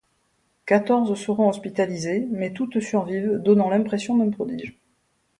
Quatorze seront hospitalisées, mais toutes survivent, donnant l'impression d'un prodige.